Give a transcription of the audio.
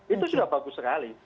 itu juga bagus sekali